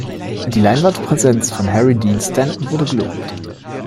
Die Leinwandpräsenz von Harry Dean Stanton wurde gelobt.